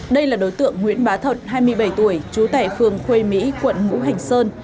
đây là đối tượng nguyễn bá thật hai mươi bảy tuổi trú tại phường khuê mỹ quận ngũ hành sơn